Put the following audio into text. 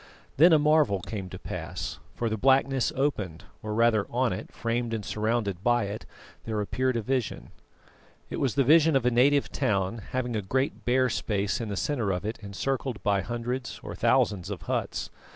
Then a marvel came to pass, for the blackness opened, or rather on it, framed and surrounded by it, there appeared a vision. It was the vision of a native town, having a great bare space in the centre of it encircled by hundreds or thousands of huts.